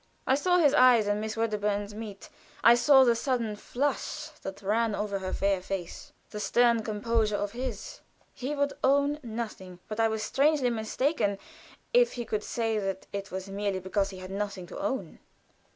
I saw his eyes and Miss Wedderburn's meet; I saw the sudden flush that ran over her fair face; the stern composure of his. He would own nothing; but I was strangely mistaken if he could say that it was merely because he had nothing to own.